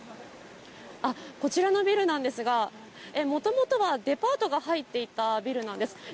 こちらのビルなんですが、もともとはデパートが入っていたビルなんです。